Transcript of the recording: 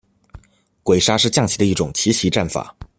鬼杀是将棋的一种奇袭战法。